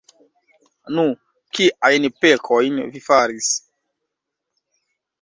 Nu, kiajn pekojn vi faris?